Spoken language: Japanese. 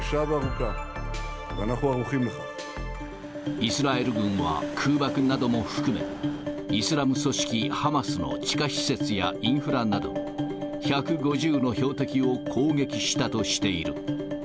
イスラエル軍は空爆なども含め、イスラム組織ハマスの地下施設やインフラなど、１５０の標的を攻撃したとしている。